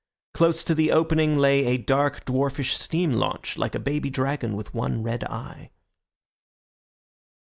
Close to the opening lay a dark, dwarfish steam launch, like a baby dragon with one red eye.